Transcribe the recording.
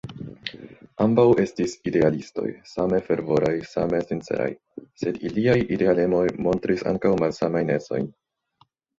Ambaŭ estis idealistoj, same fervoraj, same sinceraj; sed iliaj idealemoj montris ankaŭ malsamajn ecojn.